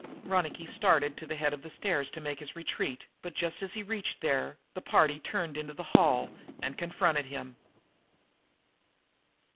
Ronicky started for the head of the stairs to make his retreat, but, just as he reached there, the party turned into the hall and confronted him.